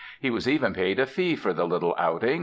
He was even paid a fee for the little outing.